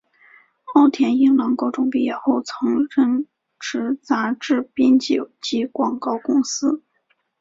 奥田英朗高中毕业后曾任职杂志编辑及广告公司。